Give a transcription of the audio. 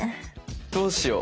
どうしよう。